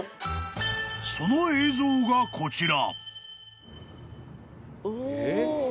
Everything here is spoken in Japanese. ［その映像がこちら］